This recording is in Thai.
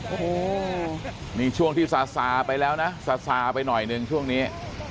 โอ้โหมีช่วงที่ซาซาไปแล้วนะซาซาไปหน่อยหนึ่งช่วงนี้